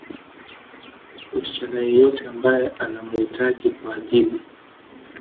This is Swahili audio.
msichana yeyote ambaye anamuhitaji kwa ajili